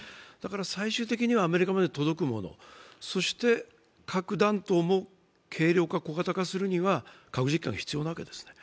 最終的にはアメリカまで届くもの、そして核弾頭も軽量化・小型化するためには核実験は必要なわけですね。